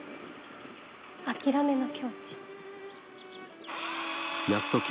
諦めの境地。